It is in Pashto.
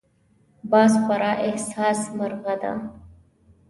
باز خورا حساس مرغه دی